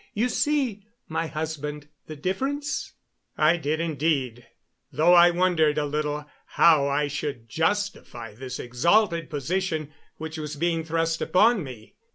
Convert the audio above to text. You see, my husband, the difference?" I did, indeed, though I wondered a little how I should justify this exalted position which was being thrust upon me.